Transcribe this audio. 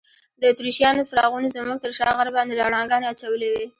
د اتریشیانو څراغونو زموږ تر شا غر باندې رڼاګانې اچولي وې.